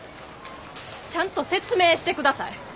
ちゃんと説明してください。